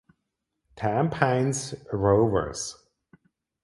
Tampines Rovers